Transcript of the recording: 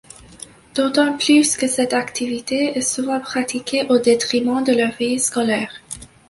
D'autant plus que cette activité est souvent pratiquée au détriment de leur vie scolaire.